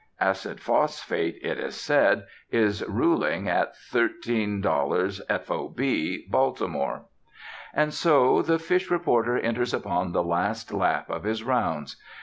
Acid phosphate, it is said, is ruling at $13 f.o.b. Baltimore. And so the fish reporter enters upon the last lap of his rounds.